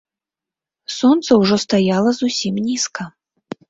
Сонца ўжо стаяла зусім нізка.